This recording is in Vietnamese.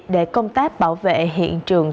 để công tác bảo vệ hiện trường